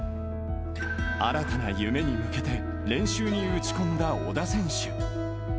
新たな夢に向けて、練習に打ち込んだ小田選手。